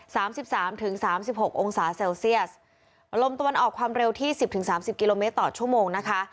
สามสิบสามถึงสามสิบหกองศาเซลเซียสลมตะวันออกความเร็วที่สิบถึงสามสิบกิโลเมตรต่อชั่วโมงนะคะ